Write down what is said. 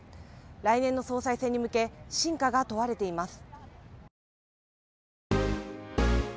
来年の総裁選に向け真価が問われています。